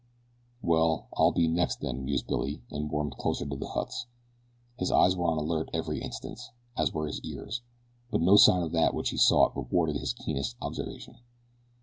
"Well, I'll be next then," mused Billy, and wormed closer to the huts. His eyes were on the alert every instant, as were his ears; but no sign of that which he sought rewarded his keenest observation.